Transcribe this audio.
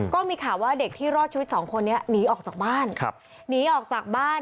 ก็มีข่าวว่าเด็กที่รอดชีวิต๒คนนี้หนีออกจากบ้าน